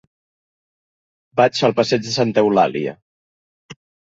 Vaig al passeig de Santa Eulàlia.